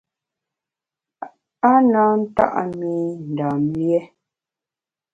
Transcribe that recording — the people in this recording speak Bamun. A na nta’ mi Ndam lié.